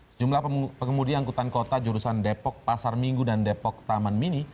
sejumlah pengemudi angkutan kota jurusan depok pasar minggu dan depok taman mini